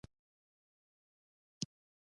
په خپله خبره پښېمانه شوم او په زړه کې ووېرېدم